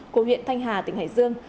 của huyện thanh hà tỉnh hải dương